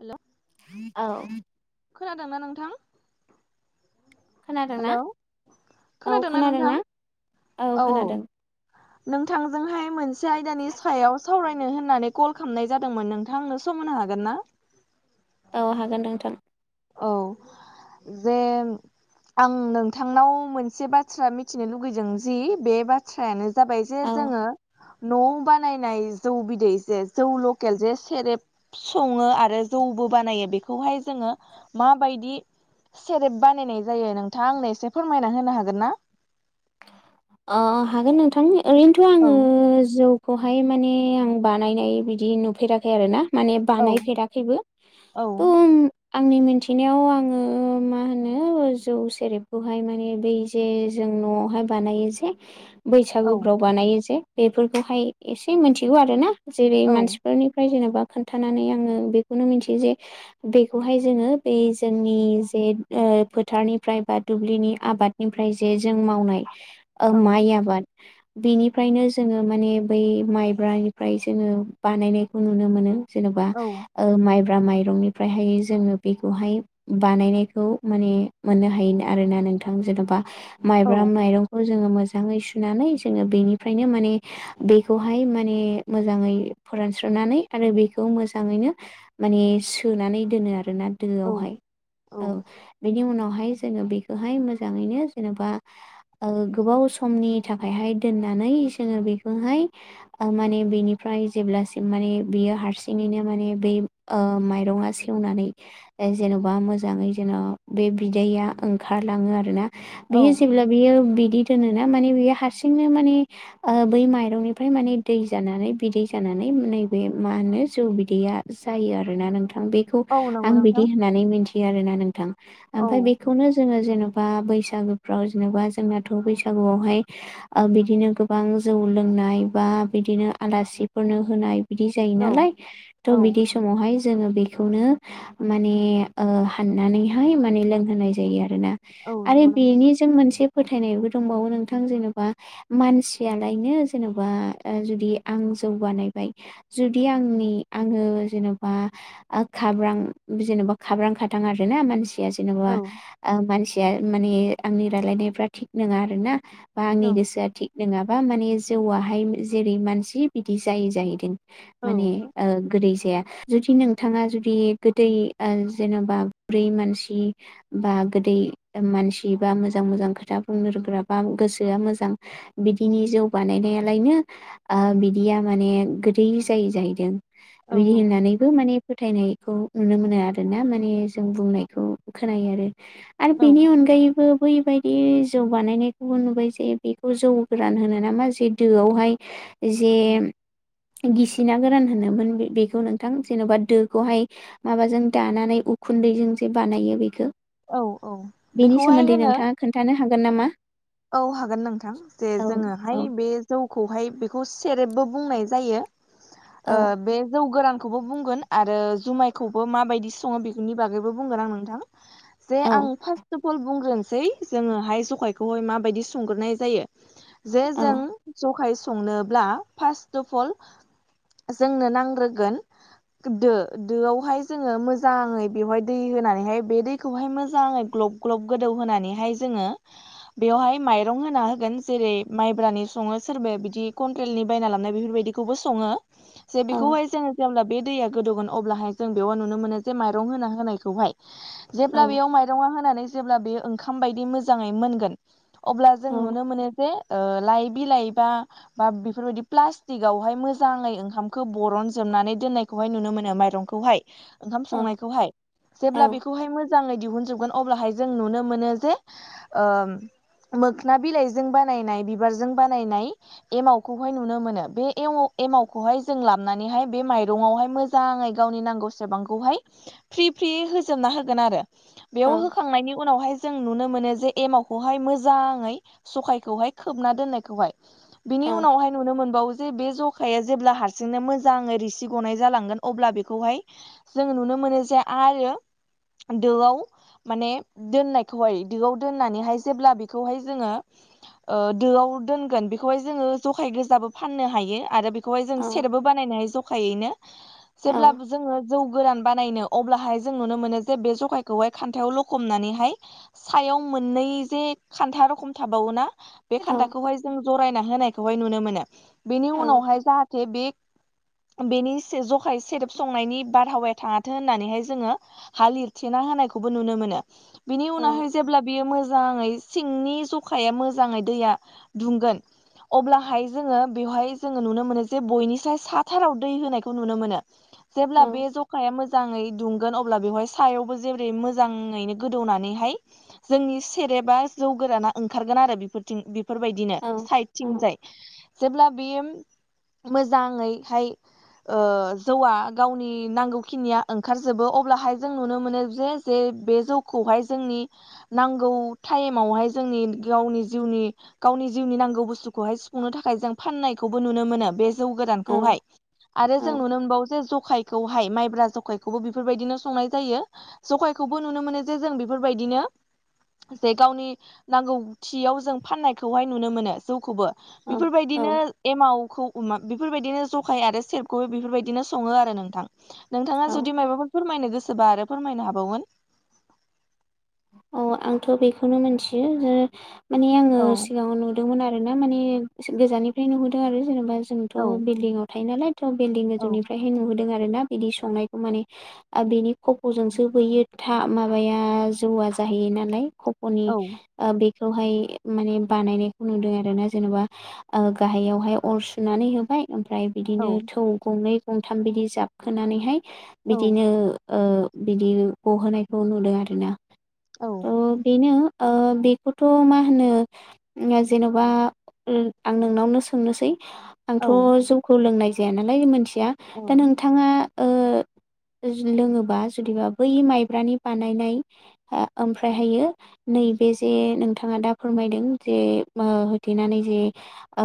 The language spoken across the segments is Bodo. हेल' औ खोनादोंना नोंथां खोनादों ना हेलौ औ खोनादोंना खोनादों नोंथां ना औ औ [inaudible] नोंथांजोंहाय मोनसे आयदानि सायाव सावरायनो होननानै कल खालामनाय जादोंमोन नों नोंथांनो सम होनो हागोन ना औ हागोन नोंथां औ [inaudible] जे आं नोंथांनाव मोनसे बाथ्रा मिथिनो लुुबैदों जि बे बाथ्रायानो जाबाय जे औ जोङो न'आव बानायनाय जौ बिदै जो जौ ल' सकेल जे सेरेब सङो आरो जौबो बानायो बेखौहाय जोङो माबायदि सेरेप बानायनाय जायो नोंथाङा आंनो एसे फोरमायना होनो हागोन ना अ हागोन नोंथांनि ओरैनोथ' औ आङो जौखौहाय माने आं बानायनाय बिदि नुफेराखै आरो ना माने औ बानायफेराखैबो औ थ' आंनि मिथिनायाव आङो मा होनो जौ सेरेबखौहाय माने बै जे जों न' हाय बानायो जे औ बैसागुफ्राव बानायो जे बेफोरखौहाय एसे मिथिगौ आर ना जेरै औ मानसिफोरनिफ्राय जेन'बा खोन्थानानै आङो बेखौनो मिथियो जे बेखौहाय जोङो ब जोंनि जे फोथारनिफ्राय बा दुब्लिनि आबाद बेनिफ्राय जे जों मावनाय औ माइ आबाद बेनिफ्रायनो जोङो माने बै माइब्रानिफ्राय जोङो बानायनायखौ नुनो मोनो जेनेबा औ माइब्रा माइरंनिफ्रायहाय जोङो बेखौहाय बानायनायखौ माने मोननो हायो आरोना नोंथां जेन'बा औ माइब्रा माइरं खौ जोङो मोजाङै सुनानै जोङो बेनिफ्रायनो माने बेखौहाय माने मोजाङै फोरानस्रनानै आरो बेखौ मोजाङैनो माने सोनानै दोनो आरोना औ दोआवहाय औ बेनि उनावहाय जोङो बेखौहाय मोजाङैनो जेनेबा गोबाव समनि थाखायहाय दोननानै जोङो बेखौहाय माने बेनिफ्राय जेब्लासिम माने बियो हारसिङैनो माने बे माइरङा सेवनानै जेन'बा मोजाङै जेन' बे बिदैया ओंखारलाङो आरो ना बियो औ जेब्ला बियो बिदि दोनोना माने बियो हारसिंनो माने बै माइरंनिफ्राय माने दै जानानै बिदै जानानै नैबे मा होनो जौ बिदैया जायो आरोना नोंथां बे औ नंगौ आं नोंथां बिदि होननानै मिथियो आरोना नोंथां औ ओमफ्राय बे बेखौनो जोङो जेनेबा बैसागुफ्राव जेनेबा जोंनाथ' बैसागुआवहाय बिदिनो गोबां जौ लोंनाय बा बिदिनो आलासिफोरनो होनाय बिदि जायो औ नालाय थ' औ बिदि समावहाय जोङो बेखौनो माने हाननानैहाय माने लोंहोनाय जायो आरोना औ आरो नंगौ नोंथां बेनिजों मोनसे फोथायनायबो दंबावो नोंथां जेनेबा मानसियालायनो जेन'बा जुदि आं जौगानायबाय जुदि आंनि आङो जेन'बा खाब्रां जेन'बा खाब्रां खाथां आर ना मानसि या जेनेबा औ मानसिया माने आंनि रायलायनायफ थिग नङा आरो ना बा औ आंनि गोसोआ थिग नङाबा माने जौआाहाय जेरै मानसि बिदि जायै जाहैदों औ माने गोदै जाया जुदि नोंथाङा जुदि गोदै ओ जेन'बा ब्रै मानसि बा गोदै मानसि बा मोजां मोजां खोथा बुंनोरोंग्रा बा गोसोआ मोजां बिदिनि जौ बानायनायालायनो ओ बिदिया माने गोदै जायो जाहैदों औ बिदि होननानैबो माने फोथायनायखौ नुनो मोनो आरोना माने जों बुंनायखौ खोनायो आरो आरो औ बेनि अनगायैबो बैबायदि जौ बानायनायखौबो नुबाय जे बेखौ जौ गोरान होनो नामा जे दोआवहाय जे गिसिना गोरान होनोमोन बे बेखौ नोंथां जेन'बा दोखौहाय माबाजों दानानै उखुन्दैजों जे बानायो बेखो औ औ बेनि बेखौहाय सोमोन्दै होनो नोंथाङा खोन्थानो हागोन नामा? औ हागोन नोंथां जे औ औ जोङोहाय बे जौखौहाय बेखौ सेरेबबो बुंनाय जायो। औ ओ बे जौ गोरान खौबो बुंगोन आरो जुमायखौबो माबायदि सङो बेफोरनि बागैबो बुंगोन आं नोंथां जे औ आं फासट' फल बुंग्रोनोसै जोङोहाय ज'खायखौ खौहाय माबायदि संग्रोनाय जायो जे जों ज'खाय संनोब्ला फासट'फल जोंनो नांग्रोगोन दो दोआवहाय जोङो मोजाङै बेवहाय दै होनानैहाय बे दैखौहाय मोजाङै ग्ल'ब ग्ल'ब गोदौ होनानैहाय जोङो बेवहाय माइरं होना होगोन जेरै माइब्रानि सङो सोरबाया बिदि कन्ट्रेलनि बायना लाबनाय बेफोरबायदि खौबो सङो जे औ बेखौहाय जों जेब्ला बे दैया गोदौगोन अब्लाहाय जों बेव नुनो मोनो जे माइरं होना होनायखौहाय औ जेब्ला बेयाव माइरङा होनानै जेब्ला बेयो ओंखाम बायदि मोजाङै मोनगोन अब्ला जों औ नुनो मोनो जे ओ लाइ बिलाइ बा बा बेफोरबायदि प्लास्टिकआवहाय मोजाङै ओंखामखौ बरन जोबनानै दोन्नाय खौहाय नुनो मोनो माइरंखौहाय, ओंखाम संनायखौहाय‌ जेब्ला औ बेखौहाय मोजाङै दिहुनजोबगोन अब्लाहाय जों नुनो मोनो जे ओम मोखना बिलाइजों बानायनाय बिबारजों बानायनाय एमावखौहाय नुनो मोनो बे एमाव एमावखौहाय जों लाबनानैहाय बे माइरंआवहाय मो जाङै गावनि नांगौ सेबांखौहाय फ्रि फ्रि होजोबना होगोन आरो औ बेयाव होखांनायनि उनावहाय जों नुनो मोनो जे एमावखौहाय मो जाङै ज'खाइखौहाय खोबना दोननायखौहाय बेनि उनावहाय नुनो मोनबावो जे बे ज'खाया जेब्ला हारसिंनो मोजाङै रिसि ग'नाय जालांगोन अब्ला बेखौहाय जोंङो नुनो मोनो जे आरो दोआव माने दोननायखौहाय दोआव दोननानैहाय जेब्ला बे खौहाय जोङो ओ दोआव दोनगोन बेखौहाय जोङो ज'खाय गोजाबो फाननो हायो आरो बे खौहाय जों औ सेरबबो बानायनो हायो ज'खायैनो औ जेब्लाबो जोङो जौ गोरान बानायनो अब्लाहाय जों नुनो मोनो जे बे ज'खायखौहाय खान्थायाव लख'बनानैहाय सायाव मोननै जे खान्था रखम थाबावो ना बे औ खान्थाखौहाय जों ज'रायना होनायखौहाय नुनो मोनो बिनि औ उनावहाय जाहाथे बि बेनि जखाय सेरेब संनायनि बारहावाया थाङाथों होननानैहाय जोङो हा लिरथेना होनायखौबो नुनो मोनो बिनि उनावहाय जेब्ला बियो मोजाङै सिंनि जखाया मोजाङै दैया दुंगोन अब्लाहाय जोङो बेवहाय जोङो नुनो मोनो जे बयनिसाय साथाराव दै होनायखौ नुनो मोनो जेब्ला बे जखाया मोजाङै दुंगोन अब्ला बेवहाय सायावबो जेबोरै मोजाङैनो गोदौनानैहाय जोंनि सेरेबा जौ गोराना ओंखारगोन आरो बेफोरथिं बेफोरबायदिनो साइड थिंजाय जेब्ला बियो मोजाङैहाय ओ जौआ गावनि नांगौखिनिया ओंखारजोबो अब्लाहाय जों नुनो मोनो जे जे बे जौखौहाय जोंनि नांगौ टाइ समावहाय जोंनि गावनि जिउनि गावनि जिउनि नांगौ बुस्तुखौहाय सुफुंनो थाखाय जों फाननायखौबो नुनो मोनो बे जौ गोरानखौहाय आरो जों नुनो मोनबावो जे जखाय खौहाय माइब्रा जखायखौबो बेफोरबायदिनो संनाय जायो जखायखौबो नुनो मोनो जे जों बेफोरबायदिनो जे गावनि नांगौथियाव जों फाननायखौहाय नुनो मोनो जौखौबो बेफोरबाय औ बिदिनो एमावखौ अमा बेफोरबायदिनो जखाय आरो सेरबखौ बेफोरबायदिनो सङो आरो नोंथां नोंथाङा औ जुदि मायबाफोर फोरमायनो गोसोबा आरो फोरमायनो हाबावगोन अ आंथ' बेखौनो मोनथियो जे माने आङो औ सिगाङाव नु दोंमोन आरो ना माने गोजाननिफ्राय नुहदों आरो जेनेबा जोंथ' औ बिल्डिं आव थायो नालाय थ' बिल्डिं औ गोजौनिफ्रायहाय नुहोदों आरो ना बिदि संनायखौ माने आर बेनि खफ'जोंसो बोयो था माबाया जौआ जाहैयो नालाय कप'नि औ ओ बेखौहाय माने बानायनायखौ नुदों आरोना जेनेबा ओ गाहायावहाय अर सुनानै होबाय ओमफ्राय बिदिनो थौ गंनै गंथाम बिदि जाबखोनानैहाय औ बिदिनो ओ बिदि गहोनायखौ नुदों आरोना औ थ' बेनो ओ बेखौथ' मा होनो जेन'बा आं नोंनावनो सोंनोसै आंथ' औ जौखौ लोंनाय जाया नालाय मिथिया दा औ नोंथाङा ओ लोङोबा जुदिबा बै माइब्रानि बानायनाय ओमफ्रायहायो नैबे जे नोंथाङा दा फोरमायदों जे होथेनानै जे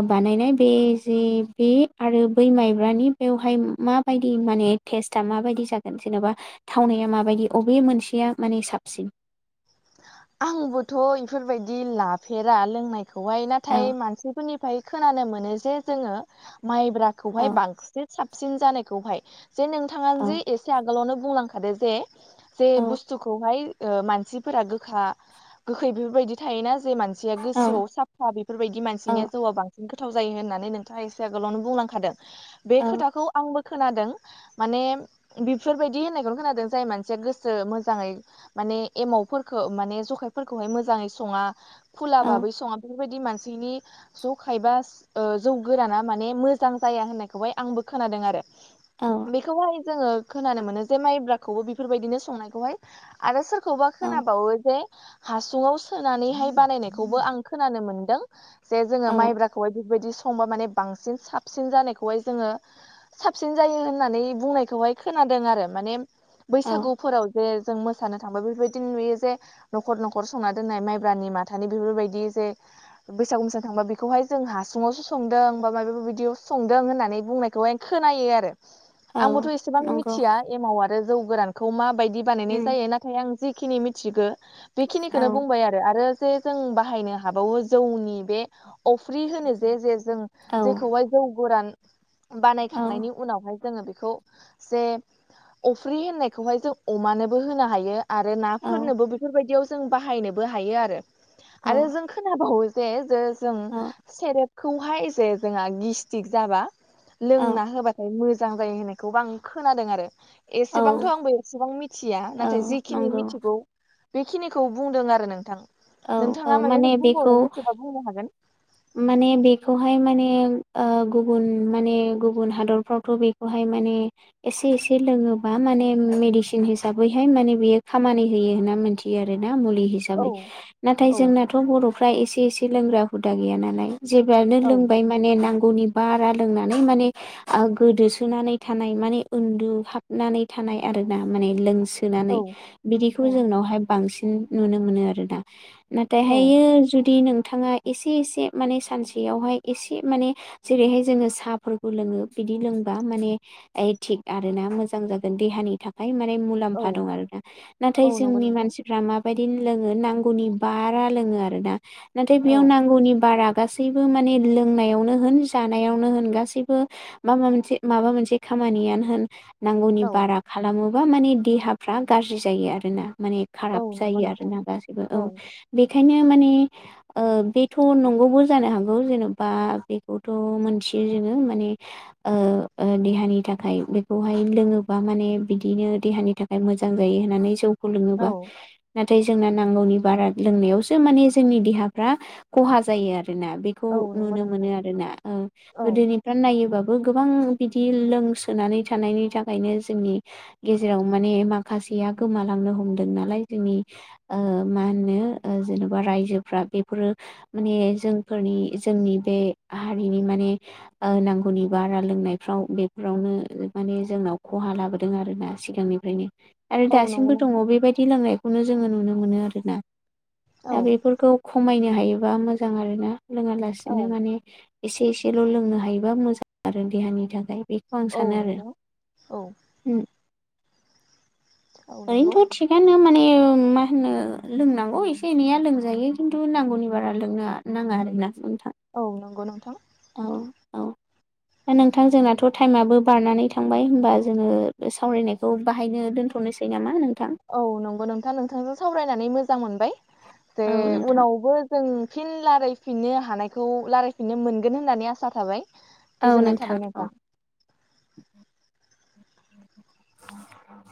बानायनाय बे जे बे आरो बै माइब्रानि बेवहाय माबायदि माने टेस्टा माबायदि जागोन जेनेबा थावनाया माबायदि बबे मोनसेया माने साबसिन आंबोथ' इफोरबायदि लाफेरा लोंनायखौहाय औ नाथाय मानसिफोरनि फ्राय खोनानो मोनो जे जोङो माइब्राखौहाय औ बांसिन साबसिन जानायखौहाय जे नोंथाङानो जे नंगौ एसे आ आगोलावनो बुंलांखादो जे जे उम बुस्थुखौहाय ओ मानसिफोरा गो गोखै बेफोरबायदि थायोना जे मानसिया औ गोसोआव सा फा बेफोरबायदि औ मानसिनिया जौआ बांसिन गोथाव जायो होननानै नोंथाङा एसे आगोलावनो बुंलांखादों बे औ खोथाखौ आंबो खोनादों माने बेफोरबायदि होननायखौनो खोनादों जाय मानसिया गोसो मोजाङै माने एमावफोरखौ माने जखायफोरखौहाय मोजाङै सङा खुला औ बाबै सङा बे [unintelligible] बेफोरदि मानसिनि ज'खायबा जौ गोराना माने मोजां जाया होननायखौहाय आंबो खोनादों आरो बेखौहाय जोङो खोनानो मोनो जे माइब्राखौबो बेफोरबायदिनो संनायखौहाय आरो सोरखौबा औ खोना बो जे हासुाव सोनानैहाय बानायनायखौबो आं खोनानो मोनदों जे जोङो औ माइब्राखौहाय बेफोरबायदि संबा माने बांसिन साबसिन जानायखौहाय जोङो साबसिन जायो होननानै बुंनायखौहाय खोनादों आरो माने औ बैसागुफोराव जे जों मोसानो थांबा बेफोरबायदि नुयो जे न'खर न'खर संना दोननाय माइब्रानि माथानि बेफोरबायदि जे बैसागु मोसानो थांबा बेखौहाय जों हासुङावसो संदों बा माबे बिदियाव संदों होननानै बुंनाय खौहाय खोनायो आरो औ आंबोथ' एसेबां नंगौ मिथिया एमाव आरो जौ गोरानखौ माबायदि बानायनाय जायो ना थाय आं जिखिनि मिथिगौ बेखिनिखौनो बुंबाय आरो आरो जे जों बाहायनो हाबावो जौनि बे अफ्रि होनो जे जे जों जेखौहाय जौ गोरान बानायखांनायनि उनावहाय जोङो बेखौ जे अफ्रि होननायखौहाय जों अमानोबो होनो हायो आरो ना फोरनोबो बेफोरबायदियाव जों बाहायनोबो हायो आरो आरो जों खोनाबावो जे जे जों सेरेबखौहाय जे जोंहा गिस्टिक जाबा लोंना होबाथाय मोजां जायो होननायखौबो आं खोनादों आरो। एसेबांथ' आंबो एसेबां मिथिया नाथाय जिखिनि मि बेखिनिखौ बुंदों आरो नोंथां औ नोंथाङा औ माबाफोर माने बेखौ बुंबावनो गोसो नो हागोन माने बेखौहाय माने गुबुन माने ओ गुबुन हादरफ्रावथ' बेखौहाय माने एसे एसे लोङोबा माने मेडिसिन हिसाबैहाय माने बेयो खामानि होयो होनना मिथि आरोना मुलि औ हिसाबै नाथाय औ जोंनाथ' बर'फ्रा एसे एसे लोंग्रा हुदा गैया नालाय। जेब्लानो औ लोंबाय माने नांगौनि बारा लोंनानै माने ओ गोदोसोनानै थानाय माने उन्दुहाबनानै थानाय आर ना माने लोंस सोनानै औ बिदिखौ औ जोंनावहाय बांसिन नुनो मोनो आरोना। औ नाथायहायो जुदि नोंथाङा एसे एसे माने सानसेयावहाय एसे माने जेरैहाय जोङो साहाफोरखौ लोङो बिदि लोंबा माने थिग आरो ना मोजां जागोन देहानि थाखाय माने मुलै मुलाम्फा औ दं आरो दा औ नाथाय नंगौ जोंनि नोंथां मान माबायदि लोङो नांगौनि बारा लोङो आरोना नाथाय बेयाव औ नांगौनि बारा गासैबो माने लोंनायावनो होन जानायावनो होन गासैबो मा मा मोनसे माबा मोनसे खामानियानो होन नांगौनि औ बारा खालामोबा माने देहाफ्रा गाज्रि जायो आरोना माने औ खाराब नंगौ जायो नोंथां आरोना गासैबो औ बेखायनो माने ओ बेथ' नंगौबो जानो हागौ जेन'बा बेखौथ' मोनथियो जोङो माने ओ ओ देहानि थाखाय बेखौहाय लोङोबा माने बिदिनो देहानि थाखाय मोजां जायो होननानै जौ खौ लोङोबा औ नाथाय जोंना नांगौनि बारा लोंनायावसो माने जोंनि देहा फ्रा खहा जायो आरो ना बेखौ औ नंगौ नुनो नोंथां मोनो आरो ना ओ औ गोदोनिफ्राय नायोबाबो गोबां बिदि लोंसोनानै थानायनि थाखायनो जोंनि गेजेराव माने माखासेया गोमालांनो हमदों नालाय जोंनि ओ मा होनो ओ जेन'बा रायजोफ्रा बेफोरो माने जोंफोरनि जोंनि बे हारिनि माने ओ नांगौनि बारा लोंनायफ्राव बेफोरावनो माने जोंनाव खहा लाबोदों आर ना। सिगांनिफ्रायनो आरो औ नंगौ दासिमबो दङ नोंथां बेबायदि लोंनायखौनो जोङो नुनो मोनो आरोना दा औ बेफोर खमायनो हायोबा मोजां आरोना औ लोङालासेनो माने एसे एसेल' लोंनो हायोबा मोजां आरो देहानि थाखाय। बेखौ आं औ सानो आरो नंगौ औ औ नंगौ ओरैनोथ' थिगानो माने मा होनो लोंनांगौ एसे एनैया लोंजायो। खिन्थु नांगौनि बारा लोंनो नाङा आरोना नोंथां। औ नंगौ नोंथां औ औ दा नोंथां जोंनाथ' टाइमाबबो बारनानै थांबाय होमबा जोङो सावरायनायखौ बाहायनो दोनथ' थ'नोसै नामा नोंथां? औ नंगौ नोंथाङा नोंथांजों सावरायनानै मोजां मोनबाय जे औ नोंथां उनावबो जों फिन लाराय फिननो हानायखौ रायज्लायफिननो मोनगोन होननानै आसा थाबाय औ गोजोननाय थाबाय औ नोंथां।